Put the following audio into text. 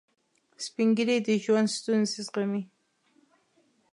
سپین ږیری د ژوند ستونزې زغمي